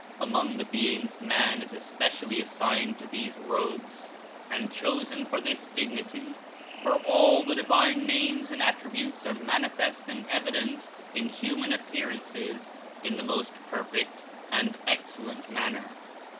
Among the beings man is especially assigned to these robes and chosen for this dignity, for all the Divine Names and Attributes are manifest and evi dent in human appearances in the most perfect and excellent manner.